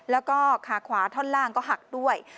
แล้วก็ขาขวาท่อนล่างก็หักด้วย